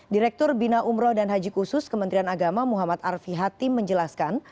direktur bina umroh dan haji khusus kementerian agama muhammad arfi hatim menjelaskan